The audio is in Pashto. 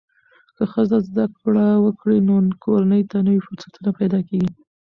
که ښځه زده کړه وکړي، نو کورنۍ ته نوې فرصتونه پیدا کېږي.